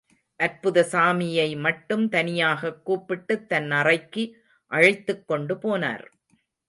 அற்புதசாமியை மட்டும் தனியாகக் கூப்பிட்டுத் தன் அறைக்கு அழைத்துக்கொண்டு போனர்.